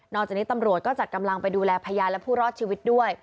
จากนี้ตำรวจก็จัดกำลังไปดูแลพยานและผู้รอดชีวิตด้วย